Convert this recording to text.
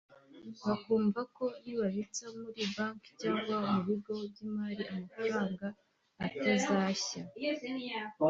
bakumva ko nibabitsa muri banki cyangwa mu bigo by’imari amafaranga atazashya